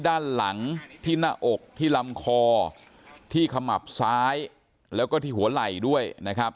ด้านหลังที่หน้าอกที่ลำคอที่ขมับซ้ายแล้วก็ที่หัวไหล่ด้วยนะครับ